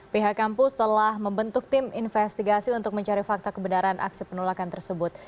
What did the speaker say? pihak kampus telah membentuk tim investigasi untuk mencari fakta kebenaran aksi penolakan tersebut